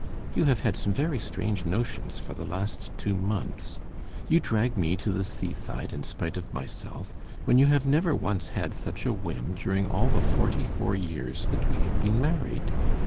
You have had some very strange notions for the last two months. You drag me to the seaside in spite of myself, when you have never once had such a whim during all the forty four years that we have been married.